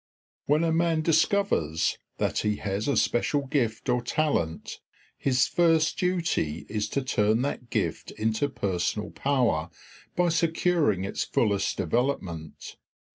When a man discovers that he has a special gift or talent, his first duty is to turn that gift into personal power by securing its fullest development.